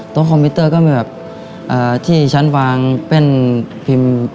คอมพิวเตอร์ก็มีแบบที่ชั้นวางแป้นพิมพ์